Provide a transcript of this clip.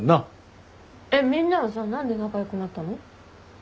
えっみんなはさ何で仲良くなったの？